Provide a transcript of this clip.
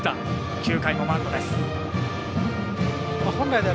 ９回のマウンドです。